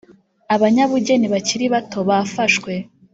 abanyabugeni bakiri bato bafashwe